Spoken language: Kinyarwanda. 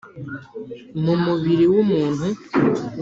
mu mubiri w’umuntu.